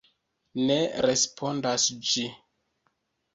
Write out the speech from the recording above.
Ne respondas ĝi.